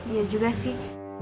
iya juga sih